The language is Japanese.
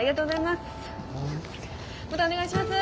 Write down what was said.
またお願いします。